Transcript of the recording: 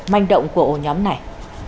manh động của nhóm này